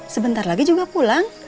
sebentar lagi juga pulang